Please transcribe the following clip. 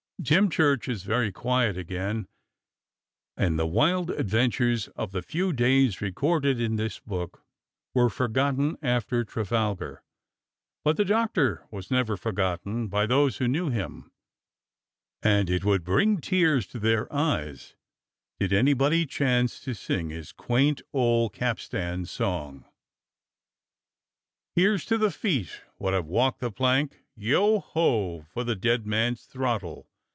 Dymchurch is very quiet again, and the wild adven DYMCHURCH UNDER THE WALL 299 tures of the few days recorded in this book were for gotten after Trafalgar, but the Doctor was never for gotten by those who knew him, and it would bring tears to their eyes did anybody chance to sing his quaint old capstan song: "Here's to the feet wot have walked the plank; Yo ho ! for the dead man's throttle.